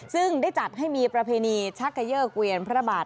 ซึ่งได้จัดให้มีประเพณีชักเกยอร์เกวียนพระบาท